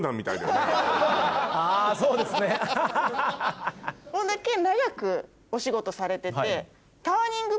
こんだけ長くお仕事されてて。